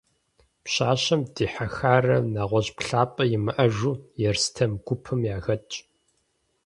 Пщащэм дихьэхарэ нэгъуэщӏ плъапӏэ имыӏэжу, Ерстэм гупым яхэтщ.